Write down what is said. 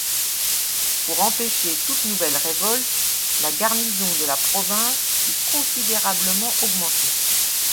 Pour empêcher toute nouvelle révolte, la garnison de la province fut considérablement augmentée.